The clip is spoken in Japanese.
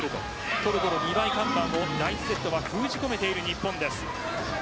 トルコの２枚看板を第１セットは封じ込めている日本です。